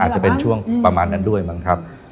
จะเป็นช่วงประมาณนั้นด้วยมั้งครับ